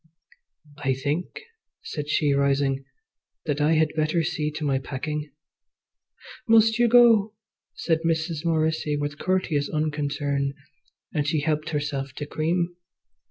"I think," said she rising, "that I had better see to my packing." "Must you go?" said Mrs. Morrissy, with courteous unconcern, and she helped herself to cream.